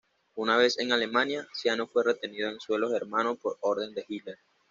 Una vez en Alemania, Ciano fue retenido en suelo germano por orden de Hitler.